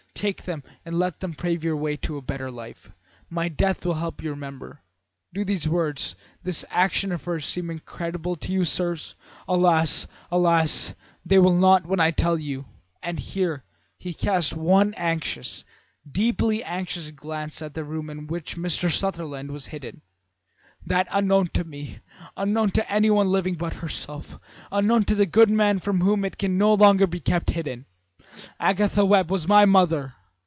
Take them and let them pave your way to a better life. My death will help you to remember.' Do these words, this action of hers, seem incredible to you, sirs? Alas! alas! they will not when I tell you" and here he cast one anxious, deeply anxious, glance at the room in which Mr. Sutherland was hidden "that unknown to me, unknown to anyone living but herself, unknown to that good man from whom it can no longer be kept hidden, Agatha Webb was my mother.